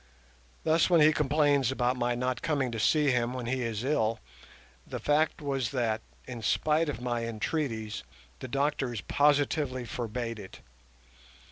Thus when he complains about my not coming to see him when he is ill, the fact was that, in spite of my entreaties, the doctors positively forbade it.